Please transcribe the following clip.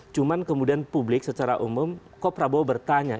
cuma kemudian publik secara umum kok prabowo bertanya